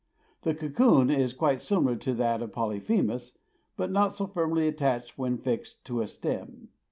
The cocoon is quite similar to that of Polyphemus, but not so firmly attached when fixed to a stem.